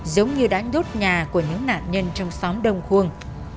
giống như đã đốt nhà của những nạn nhân trong xóm đông khuông